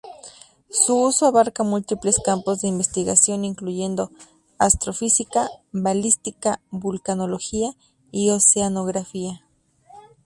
Su uso abarca múltiples campos de investigación, incluyendo astrofísica, balística, vulcanología y oceanografía.